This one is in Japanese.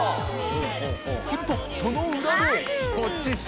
するとその裏で））